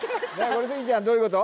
これ杉ちゃんどういうこと？